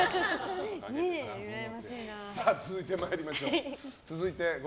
続いて参りましょう。